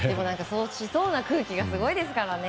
そうしそうな空気がすごいですからね。